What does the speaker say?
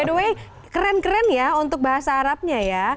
by the way keren keren ya untuk bahasa arabnya ya